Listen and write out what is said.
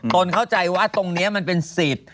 ตนเข้าใจว่าตรงนี้มันเป็นสิทธิ์